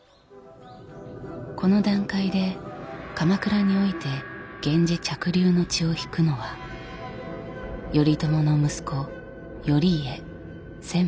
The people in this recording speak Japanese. この段階で鎌倉において源氏嫡流の血を引くのは頼朝の息子頼家千幡。